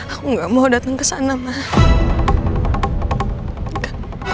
aku gak mau dateng ke sana mbak